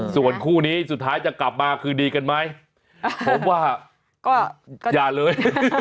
ส่วนคู่นี้สุดท้ายจะกลับมาคือดีกันไหมผมว่าก็อย่าเลย